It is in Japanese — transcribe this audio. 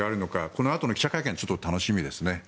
このあとの記者会見ちょっと楽しみですね。